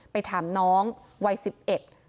ไปถามน้องวัยสิบเอ็ด